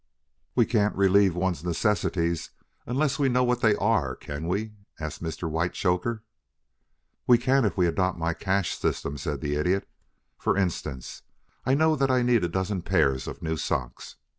"We can't relieve one another's necessities unless we know what they are, can we?" asked Mr. Whitechoker. "We can if we adopt my cash system," said the Idiot. "For instance, I know that I need a dozen pairs of new socks.